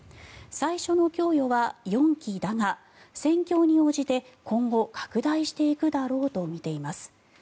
最初の供与は４基だが戦況に応じて今後、拡大していくだろうとみています。